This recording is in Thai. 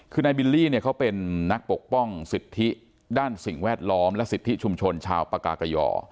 คือนายบิลลี่เนี่ยเขาเป็นนักปกป้องสิทธิด้านสิ่งแวดล้อมและสิทธิชุมชนชาวปากากย่อ